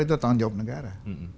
itu memang jawab negara